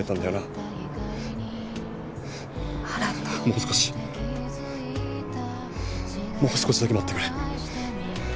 もう少しもう少しだけ待ってくれ。